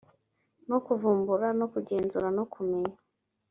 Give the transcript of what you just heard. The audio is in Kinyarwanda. no kuvumbura kugenzura no kumenya